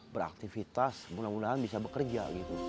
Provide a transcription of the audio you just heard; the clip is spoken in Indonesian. beraktivitas mudah mudahan bisa bekerja gitu